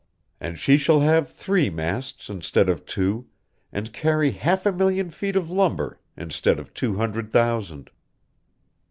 And she shall have three masts instead of two, and carry half a million feet of lumber instead of two hundred thousand.